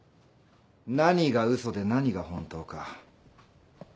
何が嘘で何が本当か。